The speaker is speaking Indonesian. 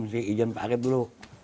mesti ijan pak arief dulu